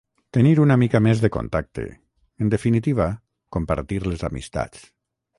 Tenir una mica més de contacte, en definitiva, compartir les amistats.